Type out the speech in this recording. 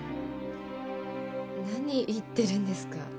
何言ってるんですか？